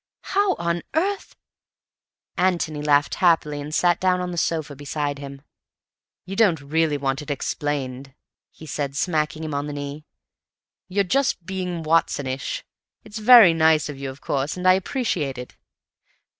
"How on earth—" Antony laughed happily and sat down on the sofa beside him. "You don't really want it explained," he said, smacking him on the knee; "you're just being Watsonish. It's very nice of you, of course, and I appreciate it."